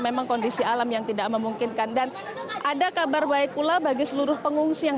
memang kondisi alam yang tidak memungkinkan dan ada kabar baik pula bagi seluruh pengungsi yang